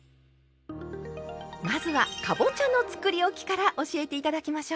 まずはかぼちゃのつくりおきから教えて頂きましょう。